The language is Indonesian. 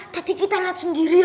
tadi kita lihat sendiri